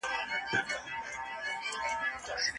نومونه د شیانو د توپیر لپاره کارول کیږي.